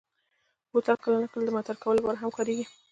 بوتل کله ناکله د معطر کولو لپاره هم کارېږي.